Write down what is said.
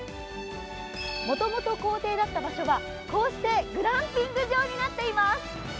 もともと校庭だった場所がこうして、グランピング場になっています。